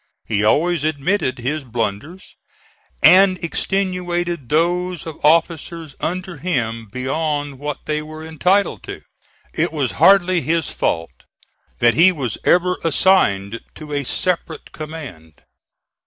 He always admitted his blunders, and extenuated those of officers under him beyond what they were entitled to. It was hardly his fault that he was ever assigned to a separate command.